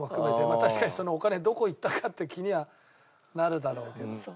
まあ確かにそのお金どこ行ったかって気にはなるだろうけどさ。